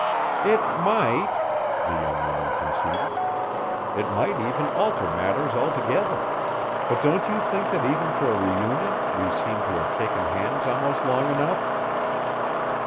"It might," the young woman conceded. "It might even alter matters altogether but don't you think that even for a reunion we seem to have shaken hands almost long enough?"